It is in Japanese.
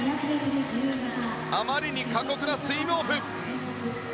あまりに過酷なスイムオフ。